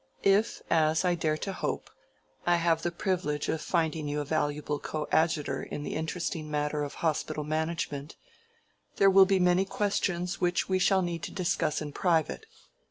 "If, as I dare to hope, I have the privilege of finding you a valuable coadjutor in the interesting matter of hospital management, there will be many questions which we shall need to discuss in private.